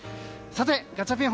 さて、ガチャピン